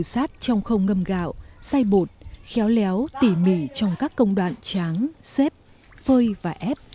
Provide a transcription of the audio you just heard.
sâu sát trong không ngâm gạo xay bột khéo léo tỉ mỉ trong các công đoạn tráng xếp phơi và ép